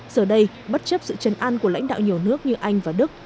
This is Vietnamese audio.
giờ đây bất chấp sự chân an của lãnh đạo nhiều nước như anh và đức